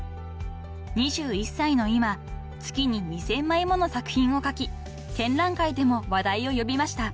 ［２１歳の今月に２，０００枚もの作品を描き展覧会でも話題を呼びました］